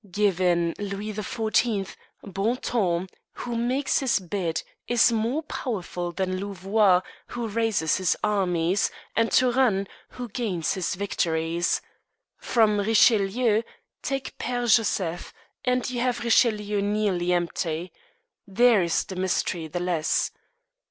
Given, Louis XIV., Bontemps, who makes his bed, is more powerful than Louvois, who raises his armies, and Turenne, who gains his victories. From Richelieu, take Père Joseph, and you have Richelieu nearly empty. There is the mystery the less.